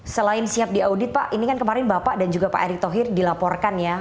selain siap diaudit pak ini kan kemarin bapak dan juga pak erick thohir dilaporkan ya